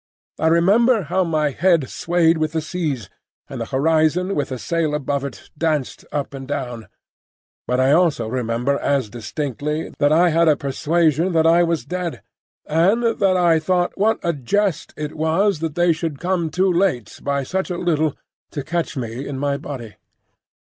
I remember how my head swayed with the seas, and the horizon with the sail above it danced up and down; but I also remember as distinctly that I had a persuasion that I was dead, and that I thought what a jest it was that they should come too late by such a little to catch me in my body.